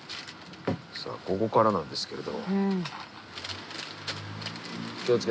ここからなんですけれど。